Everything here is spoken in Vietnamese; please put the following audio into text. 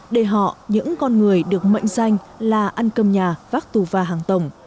để họ những con người được mệnh danh là ăn cơm nhà vác tù và hàng tổng